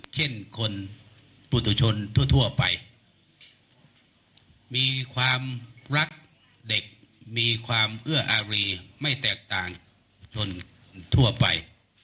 เช่นคนปุตุชนทั่วไปมีความรักเด็กมีความเอื้ออารีไม่แตกต่างชนทั่วไป